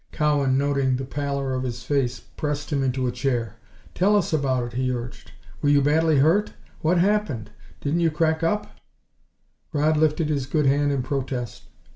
Cowan, noting the pallor of his face, pressed him into a chair. "Tell us about it," he urged. "Were you badly hurt? What happened? Didn't you crack up " Rodd lifted his good hand in protest.